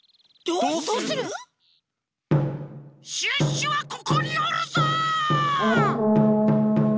シュッシュはここにおるぞ！